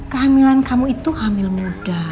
kehamilan kamu itu hamil muda